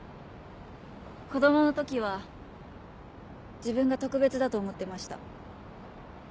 子供の時は自分が特別だと思ってました。